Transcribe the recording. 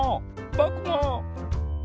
ぼくも！